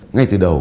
ngay từ đầu